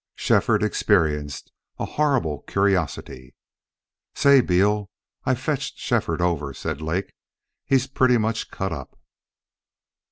Shefford experienced a horrible curiosity. "Say, Beal, I've fetched Shefford over," said Lake. "He's pretty much cut up."